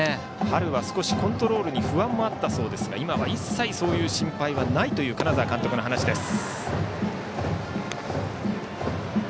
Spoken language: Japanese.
春は少しコントロールに不安もあったそうですが今は一切そういう心配もないという金沢監督の話です。